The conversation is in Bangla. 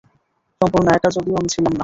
সম্পূর্ণ একা যদিও আমি ছিলাম না।